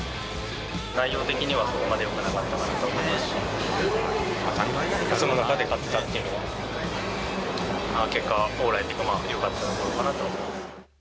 内容的にはそこまでよくなかったと思いますし、その中で勝ったというのは、結果オーライというか、よかったところかなと思います。